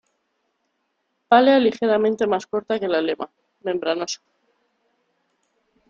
Pálea ligeramente más corta que la lema, membranosa.